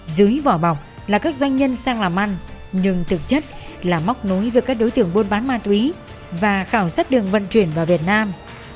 dưới vỏ bọc là các doanh nhân sang làm ăn nhưng thực chất là móc nối với các đối tượng buôn bán ma túy và khảo sát đường vận chuyển vào việt nam